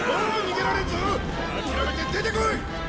諦めて出てこい！